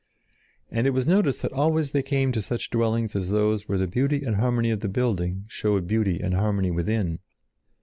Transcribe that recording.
And it was noticed that always they came to such dwellings as those where the beauty and harmony of the building showed beauty and harmony within.